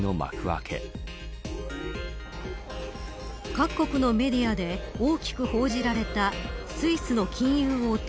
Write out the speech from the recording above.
各国のメディアで大きく報じられたスイスの金融大手